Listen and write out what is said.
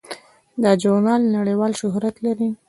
دا ژورنال نړیوال شهرت لري.